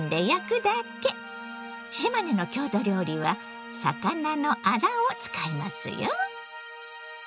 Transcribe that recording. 島根の郷土料理は「魚のあら」を使いますよ！